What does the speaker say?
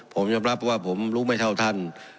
ผมยอมรับว่าผมรู้ไม่เท่าท่าน